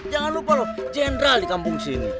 jangan lupa lho general di kampung sini